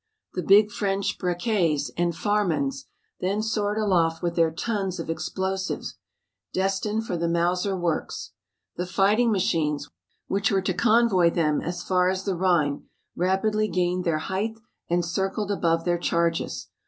The big French Brequets and Farmans then soared aloft with their tons of explosive destined for the Mauser works. The fighting machines, which were to convoy them as far as the Rhine, rapidly gained their height and circled above their charges.